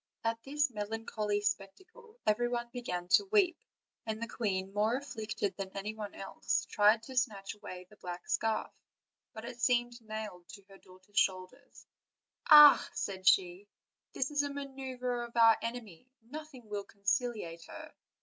At this melancholy spectacle everybody began to weep, and the queen, more afflicted than any one else, tried to snatch away the black scarf; but it seemed nailed to her daughter's shoulders: "Ah!" said she, "this is a ma neuver of our enemy; nothing will conciliate her.